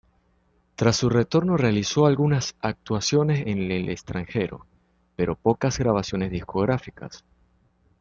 Tras su retorno realizó algunas actuaciones en el extranjero, pero pocas grabaciones discográficas.